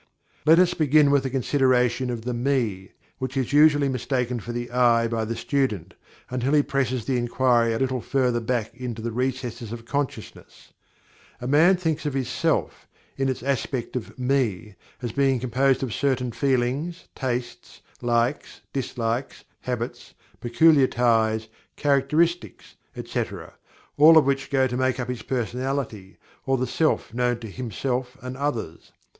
Let us begin with a consideration of the Me, which is usually mistaken for the I by the student, until he presses the inquiry a little further back into the recesses of consciousness. A man thinks of his Self (in its aspect of Me) as being composed of certain feelings, tastes likes, dislikes, habits, peculiar ties, characteristics, etc., all of which go to make up his personality, or the "Self" known to himself and others.